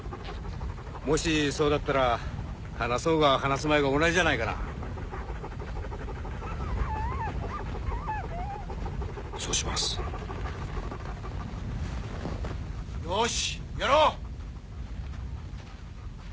もしそうだったら放そうが放すまいが同じじゃないかなそうしますよーしやろう！